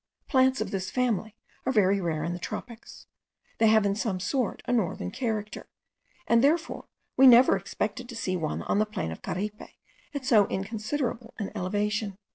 Plants of this family are very rare in the tropics; they have in some sort a northern character, and therefore we never expected to see one on the plain of Caripe at so inconsiderable an elevation.